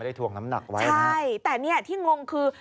ใช่แต่เนี่ยที่งงคือ